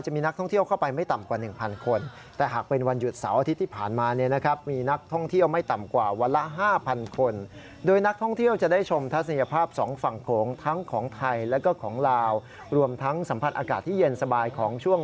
จะมีนักท่องเที่ยวเข้าไปไม่ต่ำกว่า๑๐๐๐คน